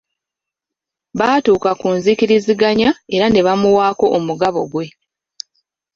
Baatuuka ku nzikiriziganya era ne bamuwaako omugabo gwe.